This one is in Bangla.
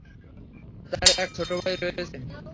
তার এক ছোট ভাই রয়েছে।